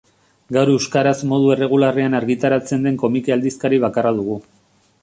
Gaur euskaraz modu erregularrean argitaratzen den komiki-aldizkari bakarra dugu.